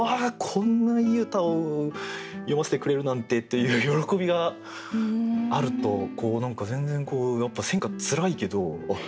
こんないい歌を読ませてくれるなんて」っていう喜びがあると何か全然やっぱり選歌つらいけどあっ